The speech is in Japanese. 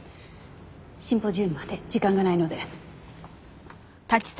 シンポジウムまで時間がないので。